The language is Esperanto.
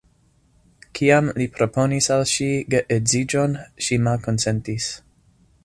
Kiam li proponis al ŝi geedziĝon, ŝi malkonsentis.